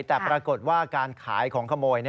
แต่ปรากฏว่าการขายของขโมย